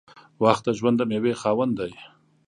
• وخت د ژوند د میوې خاوند دی.